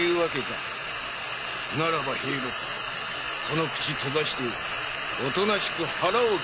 ならば兵六その口閉ざしておとなしく腹を切れ！